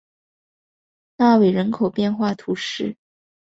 纳韦人口变化图示